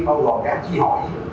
bao gồm các chi hội